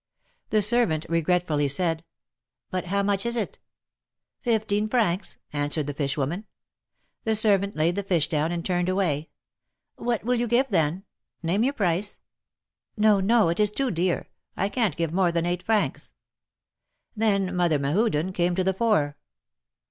The servant regretfully said :" But how much is it ?"" Fifteen francs," answered the fish woman. The servant laid the fish down, and turned away. " What will you give, then ? Name your price." " No, no ! It is too dear. I can't give more than eight francs." Then Mother Mehuden came to the fore.